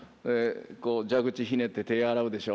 蛇口ひねって手洗うでしょ。